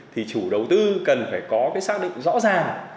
thì chủ đầu tư cần phải có cái xác định rõ ràng